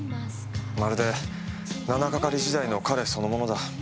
まるで７係時代の彼そのものだ。